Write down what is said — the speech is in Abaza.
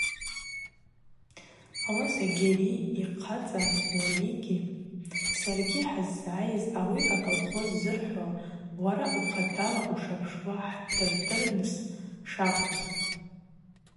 Ауаса, Гьари, йхъацӏа Уалигьи саргьи хӏыззгӏайыз, ауи колхоз зырхӏвауа уара ухъатала ушапшуа хӏхӏырдырырныс шакӏвыз.